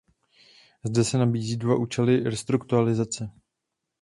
Zde se nabízí dva účely restrukturalizace.